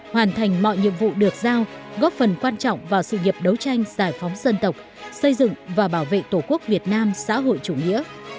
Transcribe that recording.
hoàn thành mọi nhiệm vụ được giao góp phần quan trọng vào sự nghiệp đấu tranh giải phóng dân tộc xây dựng và bảo vệ tổ quốc việt nam xã hội chủ nghĩa